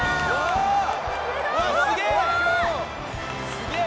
すげえ。